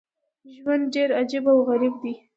ژوند ډېر عجیب او غریب دی.